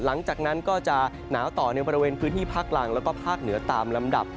หลังจากนั้นก็จะหนาวต่อในบริเวณพื้นที่ภาคล่างแล้วก็ภาคเหนือตามลำดับ